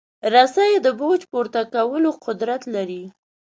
رسۍ د بوج پورته کولو قدرت لري.